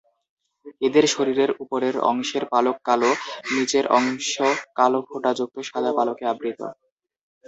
এদের শরীরের উপরের অংশের পালক কালো, নিচের অংশ কালো ফোঁটা যুক্ত সাদা পালকে আবৃত।